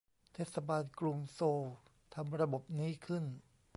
เทศบาลกรุงโซลทำระบบนี้ขึ้น